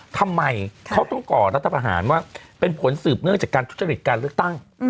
ทำไมเขาต้องก่อรัฐประหารว่าเป็นผลสืบเนื่องจากการทุจริตการเลือกตั้ง